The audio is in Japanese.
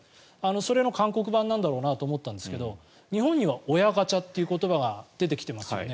それの韓国版なんだろうなと思うんですが日本には親ガチャという言葉が出てきてますよね。